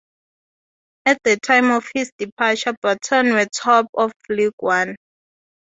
At the time of his departure Burton were top of League One.